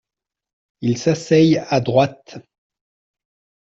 Ils s’asseyent à droite.